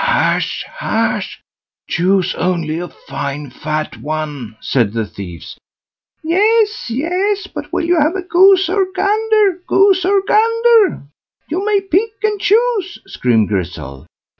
"Hush hush! choose only a fine fat one", said the thieves. "Yes, yes! but will you have goose or gander—goose or gander? you may pick and choose", screamed Grizzel.